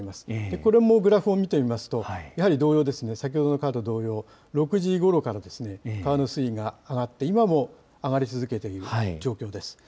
これもグラフを見てみますと、やはり同様ですね、先ほどの川と同様、６時過ぎぐらいから川の水位が上がって、今も上がり続けている状況です。